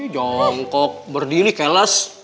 jongkok berdiri kelas